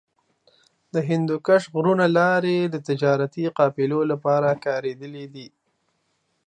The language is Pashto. د هندوکش غرونو لارې د تجارتي قافلو لپاره کارېدلې دي.